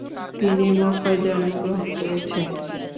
তিনি মক্কায় জন্মগ্রহণ করেছেন।